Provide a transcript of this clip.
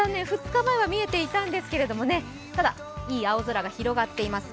２日前は見えていたんですけどね、ただ、いい青空が広がっています。